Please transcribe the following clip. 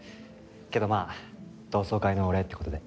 けどまあ同窓会のお礼って事で。